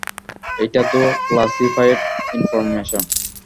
এটা তো classified information!